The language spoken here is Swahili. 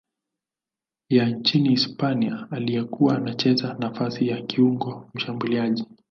ya nchini Hispania aliyekuwa anacheza nafasi ya kiungo mshambuliaji.